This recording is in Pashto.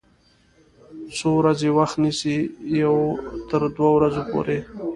څو ورځې وخت نیسي؟ یوه تر دوه ورځو پوری